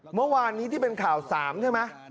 เมื่อวานนี้ที่เป็นข่าว๓ใช่ไหม